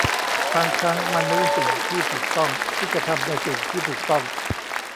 บางครั้งมันไม่ใช่สิ่งที่ถูกต้องที่จะทำในสิ่งที่ถูกต้อง